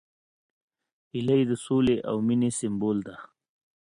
هیلۍ د سولې او مینې سمبول ده